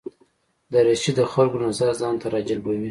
دریشي د خلکو نظر ځان ته راجلبوي.